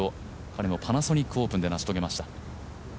彼もパナソニックオープンで成し遂げました。